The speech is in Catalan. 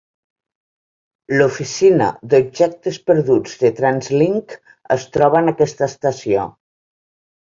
L'oficina d'objectes perduts de TransLink es troba en aquesta estació.